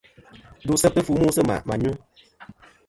Ndu seftɨ fu mu sɨ mà mà nyu.